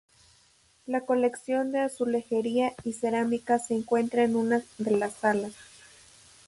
La colección de azulejería y cerámica se encuentra en una de las salas.